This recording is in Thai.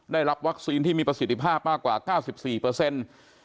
ได้รับวัคซีนที่มีประสิทธิภาพมากกว่า๙๔เปอร์เซ็นต์